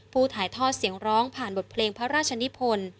ถ่ายทอดเสียงร้องผ่านบทเพลงพระราชนิพล